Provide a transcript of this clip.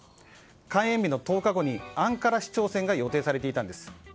開園日の１０日後にアンカラ市長選が予定されていたんです。